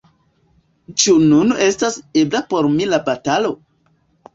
Ĉu nun estas ebla por mi la batalo?